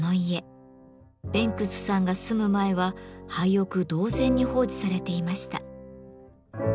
ベンクスさんが住む前は廃屋同然に放置されていました。